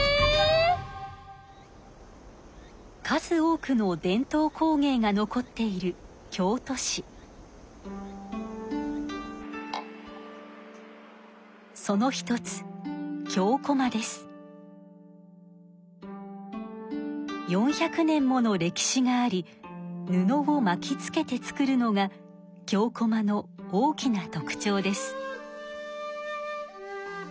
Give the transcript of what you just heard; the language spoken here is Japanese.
数多くの伝統工芸が残っているその一つ４００年もの歴史があり布をまきつけて作るのが京こまの大きな特ちょうです。